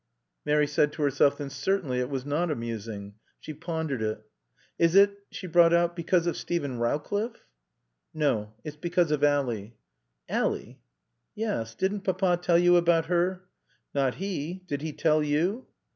_" (Mary said to herself, then certainly it was not amusing. She pondered it.) "Is it," she brought out, "because of Steven Rowcliffe?" "No. It's because of Ally." "Ally?" "Yes. Didn't Papa tell you about her?" "Not he. Did he tell you?"